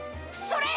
それ！